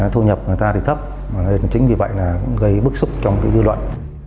thu nhập người ta thì thấp chính vì vậy gây bức xúc trong dư luận